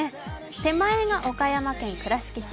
手前が岡山県倉敷市。